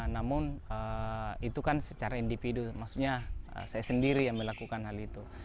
namun itu kan secara individu maksudnya saya sendiri yang melakukan hal itu